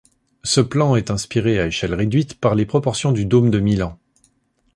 Ce plan est inspiré, à échelle réduite, par les proportions du Dôme de Milan.